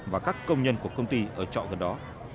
và các công nhân của công ty ở trọ gần đó